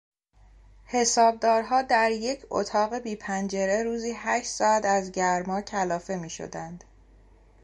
حسابدارها در یک اتاق بی پنجره روزی هشت ساعت از گرما کلافه میشدند.